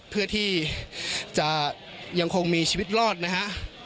เพื่อที่จะยังคงมีชีวิตรอดนะฮะ